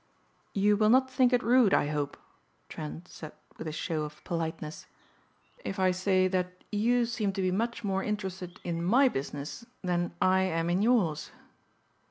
"You will not think it rude, I hope," Trent said with a show of politeness, "if I say that you seem to be much more interested in my business than I am in yours."